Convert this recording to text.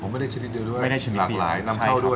ไม่ได้ชนิดเดียวเลยหลังหลายหลังหลายนำข้าวด้วย